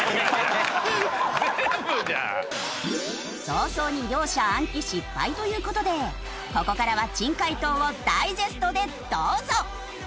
早々に両者暗記失敗という事でここからは珍解答をダイジェストでどうぞ！